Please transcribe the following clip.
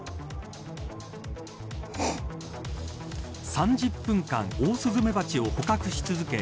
３０分間、オオスズメバチを捕獲し続け